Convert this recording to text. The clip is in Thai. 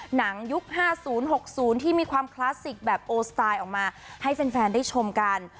ยุค๕๐๖๐ที่มีความคลาสสิกแบบโอสไตล์ออกมาให้แฟนได้ชมกัน